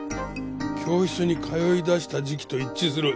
教室に通い出した時期と一致する。